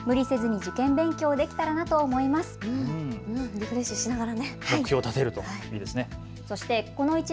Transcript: リフレッシュしながら。